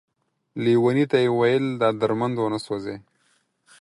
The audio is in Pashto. ليوني ته يې ويل دا درمند ونه سوځې ،